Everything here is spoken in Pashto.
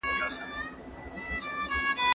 ما مخکي د ښوونځي کتابونه مطالعه کړي وو،